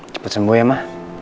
cepat sembuh ya ma